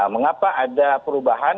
mengapa ada perubahan